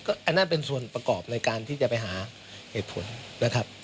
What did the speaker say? อันนั้นเป็นส่วนประกอบในการที่จะไปหาเหตุผลนะครับ